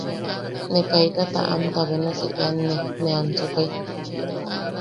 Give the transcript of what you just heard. Ne kaita taʼamta benasi eanne ne ansukai.